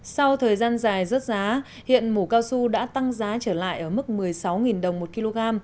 sau thời gian dài rớt giá hiện mũ cao su đã tăng giá trở lại ở mức một mươi sáu đồng một kg